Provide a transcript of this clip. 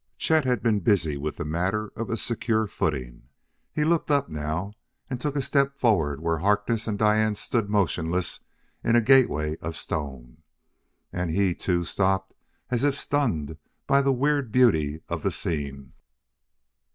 _" Chet had been busied with the matter of a secure footing; he looked up now and took a step forward where Harkness and Diane stood motionless in a gateway of stone. And he, too, stopped as if stunned by the weird beauty of the scene.